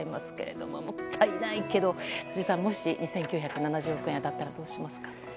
もったいないけど辻さん、２９７０億円当たったらどうしますか？